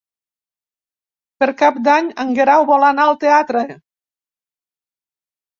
Per Cap d'Any en Guerau vol anar al teatre.